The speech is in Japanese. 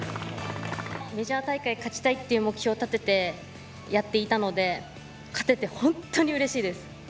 メジャー大会勝ちたいという目標を立ててやっていたので、勝てて本当にうれしいです。